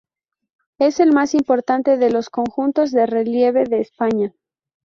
Es el más importante de los conjuntos de relieve de España.